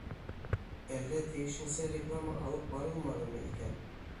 Әллә тейешенсә реклама алып барылманымы икән?